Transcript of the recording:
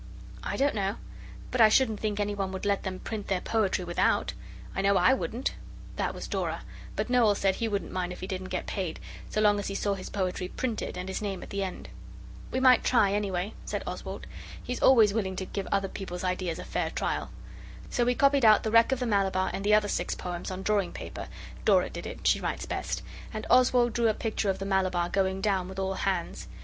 'I don't know. But I shouldn't think any one would let them print their poetry without. I wouldn't I know.' That was Dora; but Noel said he wouldn't mind if he didn't get paid, so long as he saw his poetry printed and his name at the end. 'We might try, anyway,' said Oswald. He is always willing to give other people's ideas a fair trial. So we copied out 'The Wreck of the Malabar' and the other six poems on drawing paper Dora did it, she writes best and Oswald drew a picture of the Malabar going down with all hands.